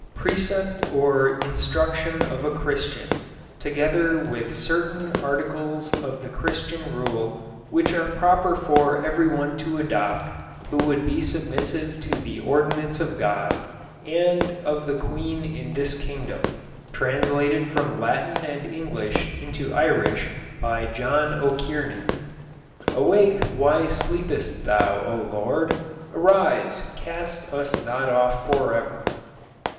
Precept or instruction of a Christian, together with certain articles of the Christian rule, which are proper for everyone to adopt who would be submissive to the ordinance of God and of the Queen in this Kingdom; translated from Latin and English into Irish by John O'Kearney. Awake, why sleepest thou, O Lord? Arise, cast us not off for ever.